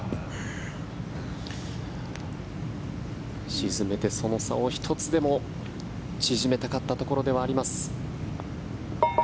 沈めてその差を１つでも縮めたかったところではあります。